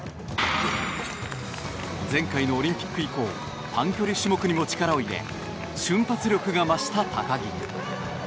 前回のオリンピック以降短距離種目にも力を入れ瞬発力が増した高木。